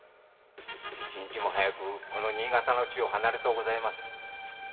一日も早くこの新潟を離れとうございます。